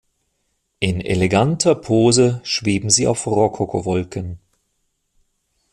In eleganter Pose schweben sie auf Rokoko-Wolken.